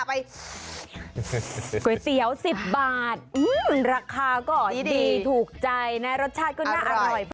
ก๋วยเตี๋ยว๑๐บาทราคาก็ดีถูกใจนะรสชาติก็น่าอร่อย